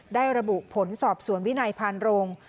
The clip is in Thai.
ได้ระบุผลสอบสวนวินัยพานโรง